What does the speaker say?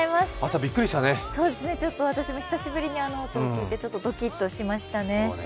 ちょっと私も久しぶりにあの音を聞いてドキッとしましたね。